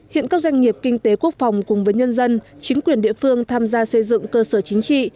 hiện các doanh nghiệp kinh tế quốc phòng cùng với nhân dân chính quyền địa phương tham gia xây dựng cơ sở chính trị